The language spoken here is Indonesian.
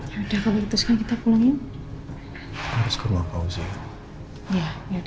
yaudah kalau begitu sekarang kita pulangin